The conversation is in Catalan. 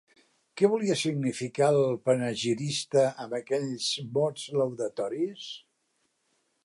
Què volia significar el panegirista amb aquells mots laudatoris?